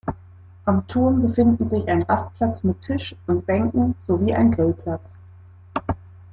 Am Turm befinden sich ein Rastplatz mit Tisch und Bänken sowie ein Grillplatz.